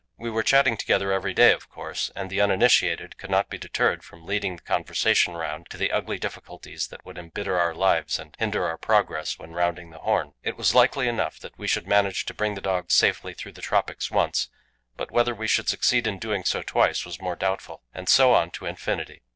We were chatting together every day, of course, and the uninitiated could not be deterred from leading the conversation round to the ugly difficulties that would embitter our lives and hinder our progress when rounding the Horn. It was likely enough that we should manage to bring the dogs safely through the tropics once, but whether we should succeed in doing so twice was more doubtful; and so on to infinity.